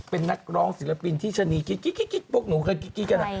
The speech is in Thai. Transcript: เป็นนักร้องศิลปินที่ชะนีกิ๊กพวกหนูเคยกิ๊กกัน